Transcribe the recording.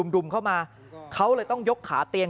ดุมเข้ามาเขาเลยต้องยกขาเตียง